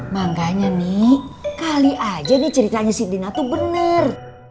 makanya nih kali aja nih ceritanya si dina tuh bener